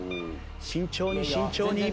慎重に慎重に。